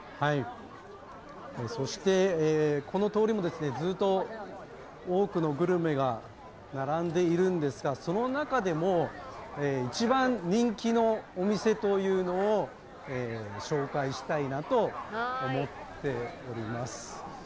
そして、この通りもずっと多くのグルメが並んでいるんですがその中でも一番人気のお店というのを紹介したいなと思っております。